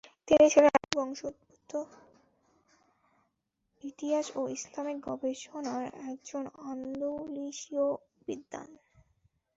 তিনি ছিলেন আরব বংশোদ্ভূত ইতিহাস ও ইসলামিক গবেষণার একজন আন্দালুসীয় বিদ্বান।